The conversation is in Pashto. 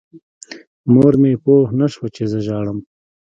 مور مې پوه نه شوه چې زه ژاړم.